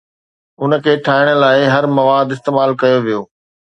ان کي ٺاهڻ لاء هر مواد استعمال ڪيو ويو